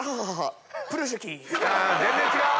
全然違う！